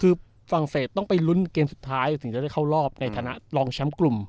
คือฝรั่งเศสต้องไปลุ้นเกมสุดท้ายถึงจะได้เข้ารอบในฐานะรองแชมป์กลุ่ม